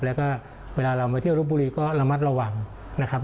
แล้วก็เวลาเรามาเที่ยวรบบุรีก็ระมัดระวังนะครับ